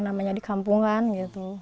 hanya di kampungan gitu